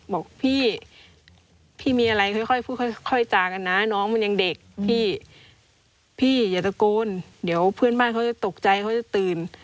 บอกพี่พี่มีอะไรค่อยพูดค่อยจากันนะน้องมันยังเด็กพี่พี่อย่าตะโกนเดี๋ยวเพื่อนบ้านเขาจะตกใจเขาจะตื่น